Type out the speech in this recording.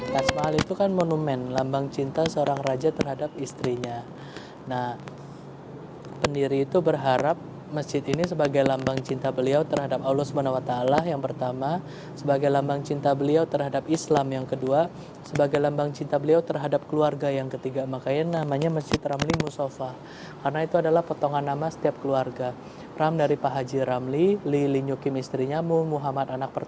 ram dari pak haji ramli li li nyuki istrinya muhammad anak pertama sofian anak kedua fafabian anak ketiga